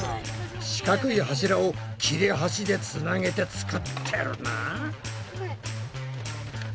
四角い柱を切れ端でつなげて作ってるな。